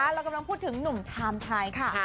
เรากำลังพูดถึงหนุ่มไทม์ไทยค่ะ